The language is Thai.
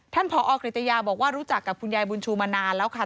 ผอกฤตยาบอกว่ารู้จักกับคุณยายบุญชูมานานแล้วค่ะ